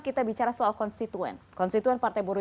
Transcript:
kita bicara soal konstituen konstituen partai buruh